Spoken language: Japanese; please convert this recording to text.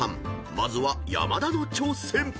［まずは山田の挑戦］